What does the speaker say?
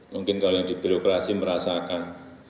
mungkin kalau yang di birokrasi merasakan